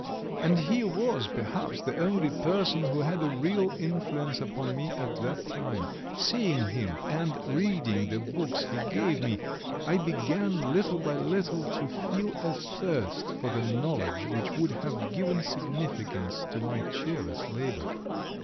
And he was perhaps the only person who had a real influence upon me at that time. Seeing him, and reading the books he gave me, I began little by little to feel a thirst for the knowledge which would have given significance to my cheerless labour.